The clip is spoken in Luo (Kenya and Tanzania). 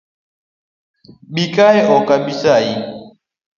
Bikae ok abisayi.